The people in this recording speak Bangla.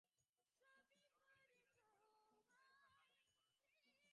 জ্বর হয়েছে কি না দেখিবার জন্য অতটুকু শিশুর গায়ে একবার হাত দিবার অনুরোধ।